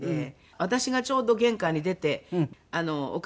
私がちょうど玄関に出てお母さん